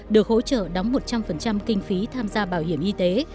được hỗ trợ đóng một trăm linh kinh phí tham gia bảo hiểm y tế